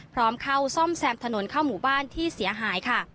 พร้อมเข้าซ่อมแซมถนนเข้าหมู่บ้านที่เสียหายค่ะ